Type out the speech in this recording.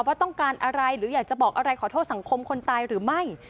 ว่าต้องการอะไรหรืออยากจะบอกอะไรขอโทษสังคมคนตายหรือไม่